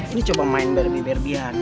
ini coba main berbe be be an